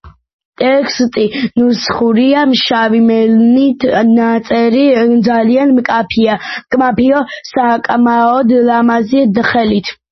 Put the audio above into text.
ტექსტი ნუსხურია, შავი მელნით ნაწერი, ძალიან მკაფიო, საკმაოდ ლამაზი ხელით.